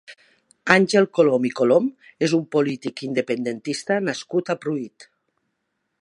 Àngel Colom i Colom és un polític independentista nascut a Pruit.